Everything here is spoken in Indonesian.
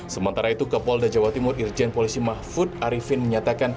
sementara itu kapolda jawa timur irjen polisi mahfud arifin menyatakan